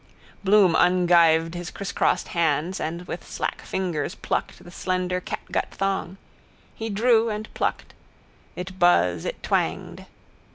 Bloom ungyved his crisscrossed hands and with slack fingers plucked the slender catgut thong. He drew and plucked. It buzz, it twanged.